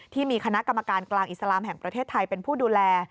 ที่มีคณะกรรมการกลางอิสลามแห่งประเทศไทยเป็นผู้ดูแล